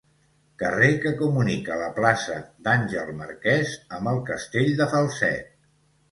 Carrer que comunica la plaça d'Àngel Marquès amb el castell de Falset.